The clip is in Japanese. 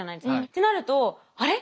ってなるとあれ？